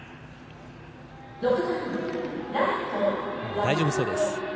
大丈夫そうです。